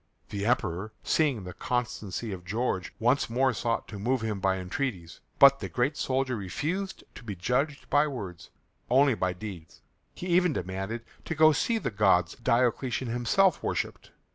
The Emperor, seeing the constancy of George, once more sought to move him by entreaties. But the great soldier refused to be judged by words, only by deeds. He even demanded to go to see the gods Diocletian himself worshipped.